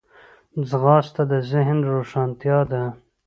ځغاسته د ذهن روښانتیا ده